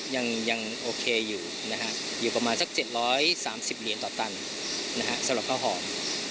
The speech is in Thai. ยังโอเคอยู่นะฮะอยู่ประมาณสัก๗๓๐เหรียญต่อตันสำหรับข้าวหอม